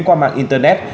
qua mạng internet